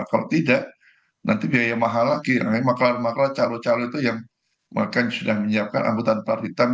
kalau tidak nanti biaya mahal lagi maka makalah calon calon itu yang mereka sudah menyiapkan angkutan pelar hitam